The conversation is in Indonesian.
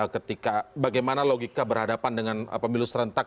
ketika bagaimana logika berhadapan dengan pemilu serentak